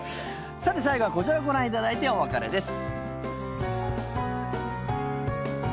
さて、最後はこちらをご覧いただいてお別れです。